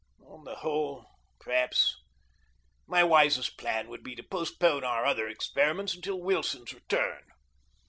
On the whole, perhaps, my wisest plan would be to postpone our other experiments until Wilson's return.